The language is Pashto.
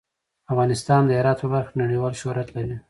افغانستان د هرات په برخه کې نړیوال شهرت لري.